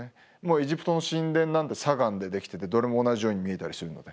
エジプトの神殿なんて砂岩でできててどれも同じように見えたりするので。